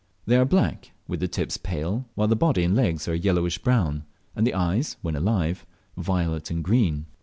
They are black, with the tips pale, while the body and legs are yellowish brown, and the eyes (when alive) violet and green.